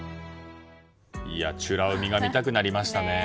美ら海が見たくなりましたね。